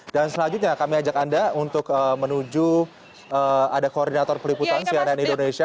dan selanjutnya kami ajak anda untuk menuju ada koordinator peliputan sianen indonesia